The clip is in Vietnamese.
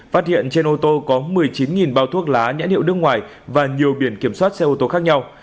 phát hiện trên ô tô có một mươi chín bao thuốc lá nhãn hiệu nước ngoài và nhiều biển kiểm soát xe ô tô khác nhau